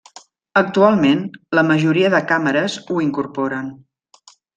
Actualment, la majoria de càmeres ho incorporen.